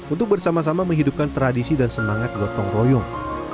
untuk bersama sama menghidupkan tradisi dan semangat gotong royong